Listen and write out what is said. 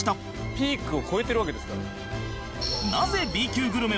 「ピークを超えてるわけですから」